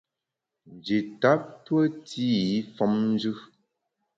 Nji tap tue té i femnjù.